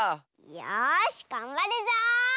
よしがんばるぞ！